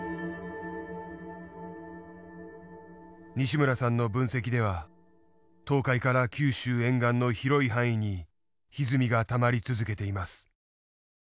西村さんの分析では東海から九州沿岸の広い範囲にひずみがたまり続けています。